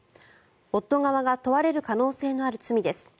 夫側が問われる可能性のある罪です。